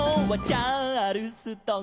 「チャールストン」